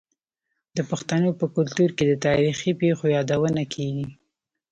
د پښتنو په کلتور کې د تاریخي پیښو یادونه کیږي.